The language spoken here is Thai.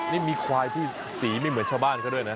นี่มีควายที่สีไม่เหมือนชาวบ้านเขาด้วยนะ